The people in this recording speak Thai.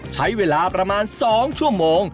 ใช้เวลาประมาณ๒ชั่วโมง